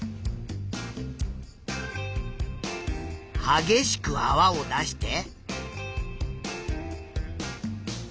はげしくあわを出して。